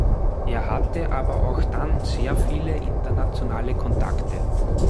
Er hatte aber auch dann sehr viele internationale Kontakte.